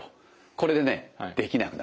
これでねできなくなるまで。